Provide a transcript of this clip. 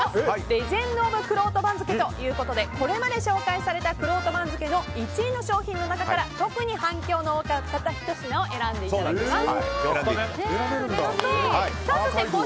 レジェンド・オブ・くろうと番付ということでこれまで紹介されたくろうと番付の１位の商品の中から特に反響の大きかったひと品を選んでいただきます。